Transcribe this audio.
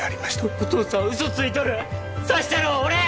お父さん嘘ついとる刺したのは俺や！